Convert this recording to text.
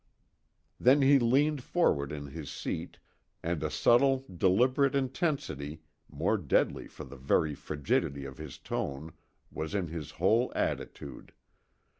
Then he leant forward in his seat, and a subtle, deliberate intensity, more deadly for the very frigidity of his tone was in his whole attitude.